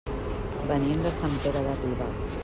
Venim de Sant Pere de Ribes.